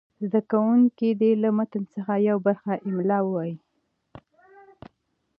زده کوونکي دې له متن څخه یوه برخه املا ووایي.